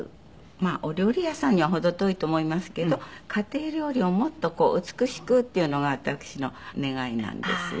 まあお料理屋さんにはほど遠いと思いますけど家庭料理をもっと美しくっていうのが私の願いなんですよ。